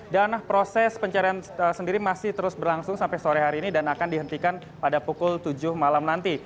dan proses pencarian sendiri masih terus berlangsung sampai sore hari ini dan akan dihentikan pada pukul tujuh malam nanti